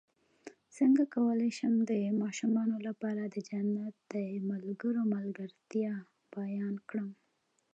څنګه کولی شم د ماشومانو لپاره د جنت د ملګرو ملګرتیا بیان کړم